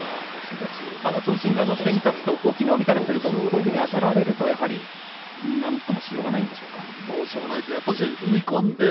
長身側の視点からすると、隠岐の海からするとこういうふうにあたれるとなんともしようがないんでしょうか。